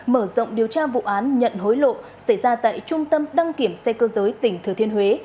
mở rộng điều tra vụ án nhận hối lộ xảy ra tại trung tâm đăng kiểm xe cơ giới tỉnh thừa thiên huế